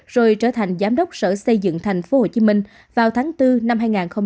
rồi trở thành giám đốc sở xây dựng thành phố hồ chí minh vào tháng bốn năm hai nghìn một mươi chín